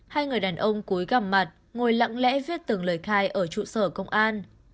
hai người đàn ông cúi gặm mặt ngồi lặng lẽ viết từng lời khai ở trụ sở công an